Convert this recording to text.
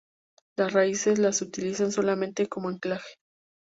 Las raíces las utilizan solamente como anclaje.